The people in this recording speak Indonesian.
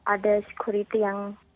ada security yang